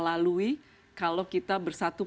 lalui kalau kita bersatu